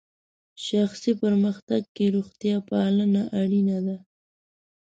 شخصي پرمختګ کې روغتیا پالنه اړینه ده.